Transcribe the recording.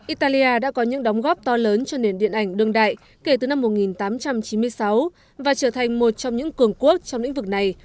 italia đã có những đóng góp to lớn cho nền điện ảnh đương đại kể từ năm một nghìn tám trăm chín mươi sáu và trở thành một trong những cường quốc trong lĩnh vực này